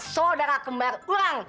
saudara kembar orang